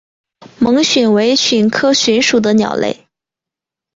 猛隼为隼科隼属的鸟类。